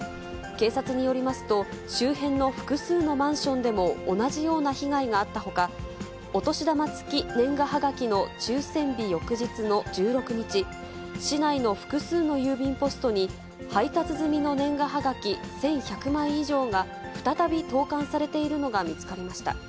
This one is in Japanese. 警察によりますと、周辺の複数のマンションでも同じような被害があったほか、お年玉付き年賀はがきの抽せん日翌日の１６日、市内の複数の郵便ポストに、配達済みの年賀はがき１１００枚以上が、再び投かんされているのが見つかりました。